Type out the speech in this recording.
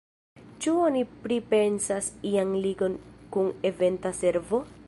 Ĉu oni pripensas ian ligon kun Eventa servo?